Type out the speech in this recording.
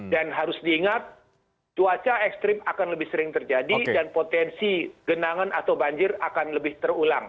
dan harus diingat cuaca ekstrim akan lebih sering terjadi dan potensi genangan atau banjir akan lebih terulang